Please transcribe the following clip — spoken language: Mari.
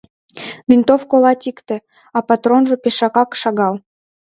Винтовко латикте, а патронжо пешакак шагал.